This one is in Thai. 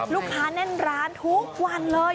ลูกค้าแน่นร้านทุกวันเลย